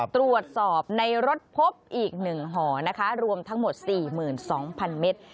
ตรวจสอบในรถพบอีก๑ห่อนะคะรวมทั้งหมด๔๒๐๐๐เมตร